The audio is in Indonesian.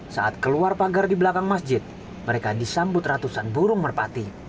saat keluar pagar di belakang masjid mereka disambut ratusan burung merpati